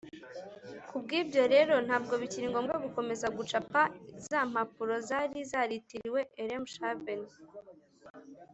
Kubw’ibyo rero, ntabwo bikiri ngombwa gukomeza gucapa za mpapuro zari zaritiriwe “Elmshaven.”